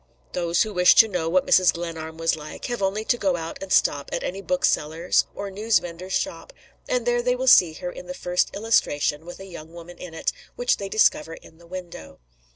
Those who wish to know what Mrs. Glenarm was like, have only to go out and stop at any bookseller's or news vendor's shop, and there they will see her in the first illustration, with a young woman in it, which they discover in the window.